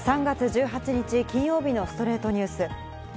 ３月１８日、金曜日の『ストレイトニュース』。